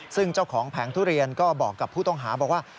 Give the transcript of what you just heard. ซึ่งเจ้าของแผงทุเรียนก็บอกกับผู้ต้องหาบอกว่า